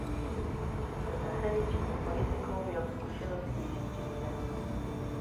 Se zahraniční politikou měl zkušenosti již dříve.